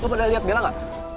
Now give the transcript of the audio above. lo pada lihat bella gak